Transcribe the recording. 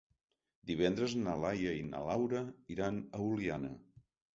Divendres na Laia i na Laura iran a Oliana.